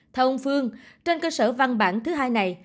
theo ông phương trên cơ sở văn bản thứ hai này